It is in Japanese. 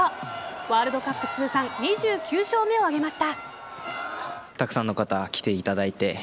ワールドカップ通算２９勝目を挙げました。